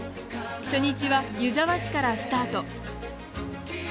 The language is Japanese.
初日は、湯沢市からスタート。